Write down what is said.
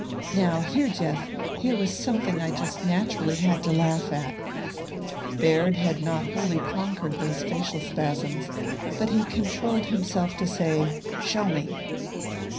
"Now, here, Jeff, here was something I just naturally had to laugh at." Baird had not wholly conquered those facial spasms, but he controlled himself to say, "Show me!"